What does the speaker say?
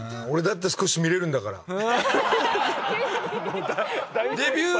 俺だって少し見られるんだから。